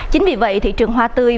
chính vì vậy thị trường hoa tươi